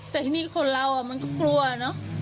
แต่ทีนี้คนเรามันก็กลัวเนอะ